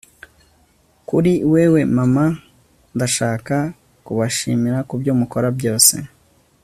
kuri wewe mama, ndashaka kubashimira kubyo mukora byose